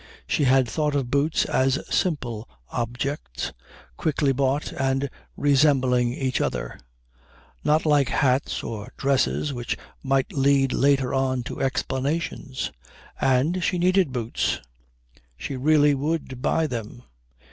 She had thought of boots as simple objects, quickly bought and resembling each other; not like hats or dresses which might lead later on to explanations. And she needed boots. She really would buy them.